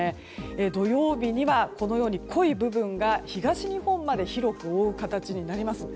土曜日には、濃い部分が東日本まで広く覆う形になります。